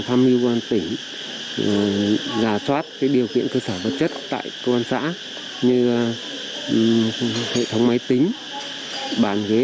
thăm lưu quan tỉnh giả soát cái điều kiện cơ sở vật chất tại công an xã như hệ thống máy tính bàn ghế